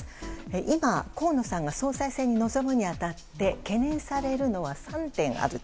今、河野さんが総裁選に臨むに当たって懸念されるのは３点あると。